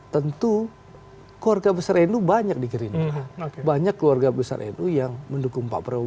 tentu keluarga besar nu banyak di gerindra banyak keluarga besar nu yang mendukung pak prabowo